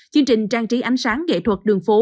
chương trình trang trí ánh sáng nghệ thuật đường phố